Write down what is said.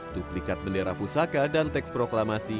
duplikat bendera pusaka dan teks proklamasi